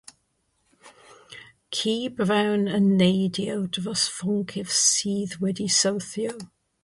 Ci brown yn neidio dros foncyff sydd wedi syrthio.